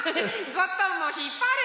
ゴットンもひっぱる！